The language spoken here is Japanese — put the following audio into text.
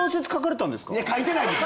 書いてないです。